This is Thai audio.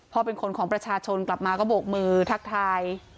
เป็นคนของประชาชนกลับมาก็โบกมือทักทาย